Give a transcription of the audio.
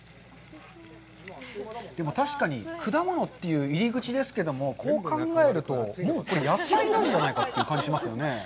でも確かに果物という入り口ですけど、こう考えると、もうこれ野菜なんじゃないかという感じしますよね。